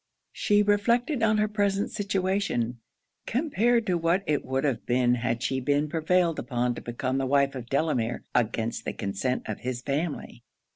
She reflected on her present situation, compared to what it would have been had she been prevailed upon to become the wife of Delamere against the consent of his family.